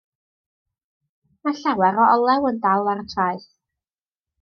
Mae llawer o olew yn dal ar y traeth.